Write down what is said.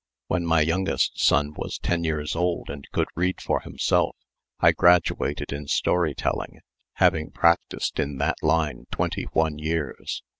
When my youngest son was ten years old and could read for himself, I graduated in story telling, having practiced in that line twenty one years.